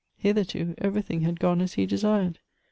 Hitherto, everything had gone as he desired